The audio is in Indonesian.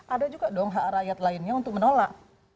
ada juga dong hak rakyat lainnya untuk menolak